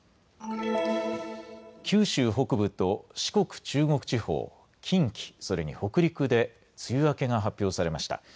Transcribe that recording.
九州北部と四国、中国地方、近畿、それに北陸で梅雨明けが発表されました。